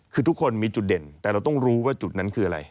คือทุกคนมีจุดเด่นแต่เราต้องรู้ว่าจุดนั้นคืออะไร